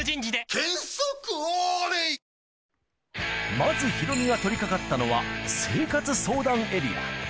まずヒロミが取りかかったのは、生活相談エリア。